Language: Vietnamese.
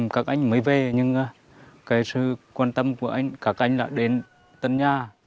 các anh mới về nhưng sự quan tâm của các anh là đến tân nha